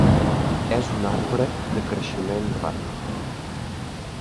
És un arbre de creixement ràpid.